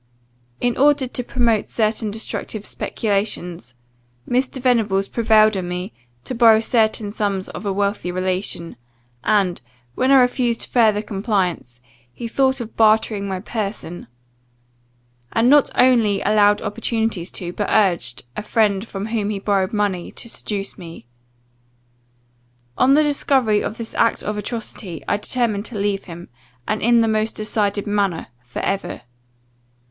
In order to promote certain destructive speculations, Mr. Venables prevailed on me to borrow certain sums of a wealthy relation; and, when I refused further compliance, he thought of bartering my person; and not only allowed opportunities to, but urged, a friend from whom he borrowed money, to seduce me. On the discovery of this act of atrocity, I determined to leave him, and in the most decided manner, for ever.